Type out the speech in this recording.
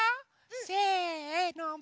せの。